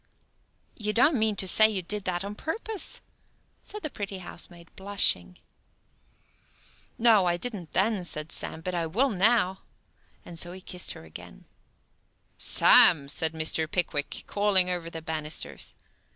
"You don't mean to say you did that on purpose?" said the pretty housemaid, blushing. "No, I didn't then," said Sam, "but I vill now." So he kissed her again. "Sam!" said Mr. Pickwick, calling over the banisters.